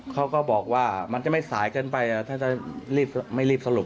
เขาก็บอกว่ามันจะไม่สายเกินไปถ้าจะรีบไม่รีบสรุป